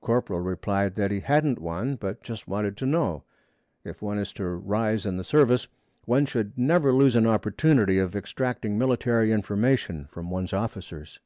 Corporal replied that he hadn't one, but just wanted to know. If one is to rise in the service, one should never lose an opportunity of extracting military information from one's officers.